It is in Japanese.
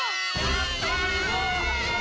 やった！